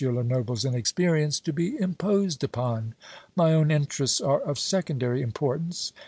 Lenoble's inexperience to be imposed upon. My own interests are of secondary importance.